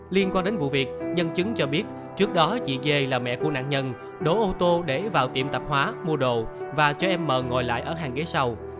liên quan đến vụ việc nhân chứng cho biết trước đó chị dê là mẹ của nạn nhân đổ ô tô để vào tiệm tạp hóa mua đồ và cho em m ngồi lại ở hàng ghế sau